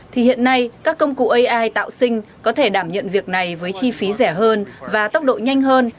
thì hiện nay các công cụ ai tạo sinh có thể đảm nhận việc này với chi phí rẻ hơn và tốc độ nhanh hơn